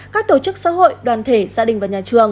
các tổ chức xã hội đoàn thể gia đình và nhà trường